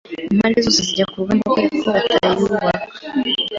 Impande zombi zijya kurugamba 'kuberako batayubaha